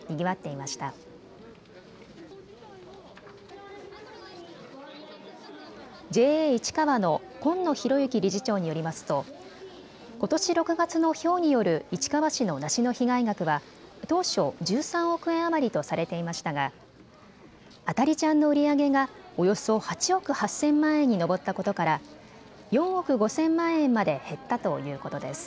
ＪＡいちかわの今野博之理事長によりますとことし６月のひょうによる市川市の梨の被害額は当初１３億円余りとされていましたがあた梨ちゃんの売り上げがおよそ８億８０００万円に上ったことから４億５０００万円まで減ったということです。